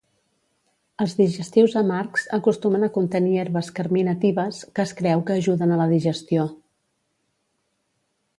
Els digestius amargs acostumen a contenir herbes carminatives, que es creu que ajuden a la digestió.